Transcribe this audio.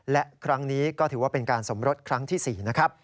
และครั้งนี้ก็ถือว่าเป็นการสมรสครั้งที่๔นะครับ